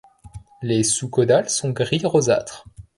Les sous-caudales sont gris rosâtre.